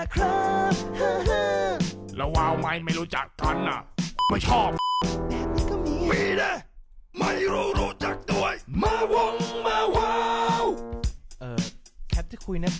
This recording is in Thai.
แคปจะคุยในโพสต์นะ